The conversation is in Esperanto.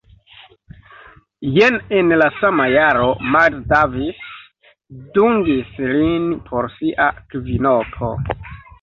Jam en la sama jaro Miles Davis dungis lin por sia kvinopo.